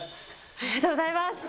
ありがとうございます。